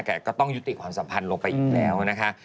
แต่ก็ต้องยุติความสัมพันธ์ลงไปอีกแล้วนะคะ